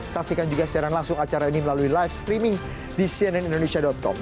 saksikan juga siaran langsung acara ini melalui live streaming di cnnindonesia com